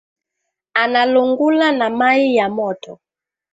Analungula na mayi ya moto